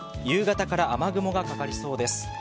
夕方から雨雲がかかりそうです。